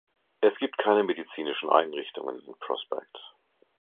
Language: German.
Es gibt keine medizinischen Einrichtungen in Prospect.